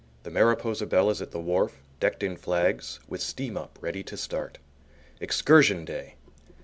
The Mariposa Belle is at the wharf, decked in flags, with steam up ready to start. Excursion day!